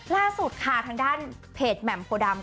ล่าสุดค่ะทางด้านเพจแหม่มโพดำ